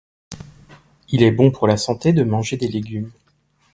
Il est bon pour la santé de manger des légumes.